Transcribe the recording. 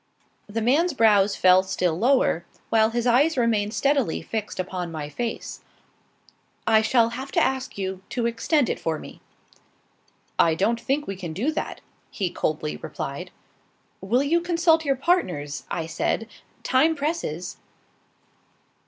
The man's brows fell still lower, while his eyes remained steadily fixed upon my face. "I shall have to ask you to extend it for me." "I don't think we can do that," he coldly replied. "Will you consult your partners?" I said; "time presses."